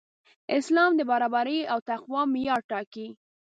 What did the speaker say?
اسلام د برابرۍ او تقوی معیار ټاکي.